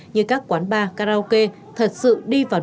như các quán bar phoenix tp hải phòng tp hải phòng tp hải phòng tp hải phòng